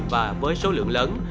và với số lượng lớn